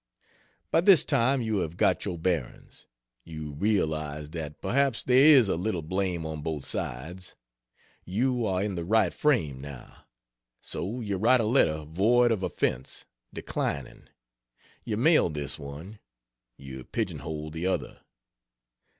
By this time you have got your bearings. You realize that perhaps there is a little blame on both sides. You are in the right frame, now. So you write a letter void of offense, declining. You mail this one; you pigeon hole the other.